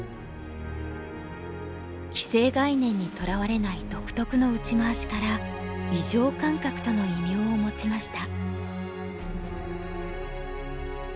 既成概念にとらわれない独特の打ち回しから「異常感覚」との異名を持ちました。